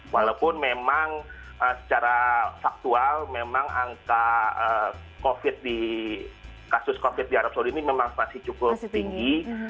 walaupun memang secara faktual memang angka covid di kasus covid di arab saudi ini memang masih cukup tinggi